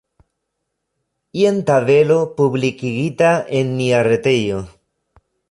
Jen tabelo, publikigita en nia retejo.